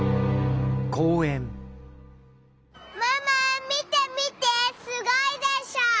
ママ見て見てすごいでしょ？